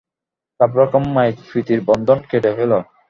সব রকম মায়িক প্রীতির বন্ধন কেটে ফেল।